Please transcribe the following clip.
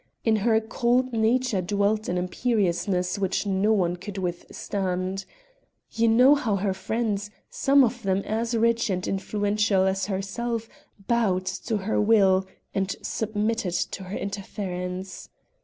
In her cold nature dwelt an imperiousness which no one could withstand. You know how her friends, some of them as rich and influential as herself, bowed to her will and submitted to her interference.